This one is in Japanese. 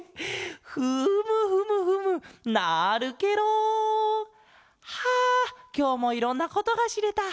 フムフムフムなるケロ！はきょうもいろんなことがしれた。